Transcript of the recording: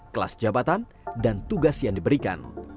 kelas jabatan dan tugas yang diberikan